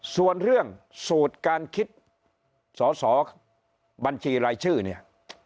ส่วนเรื่องสูตรการคิดสอสอบัญชีรายชื่อเนี่ย